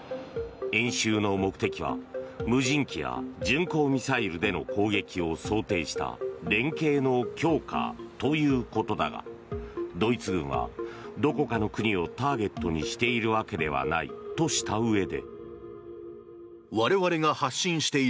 演習の目的は、無人機や巡航ミサイルでの攻撃を想定した連携の強化ということだがドイツ軍はどこかの国をターゲットにしているわけではないとしたうえで。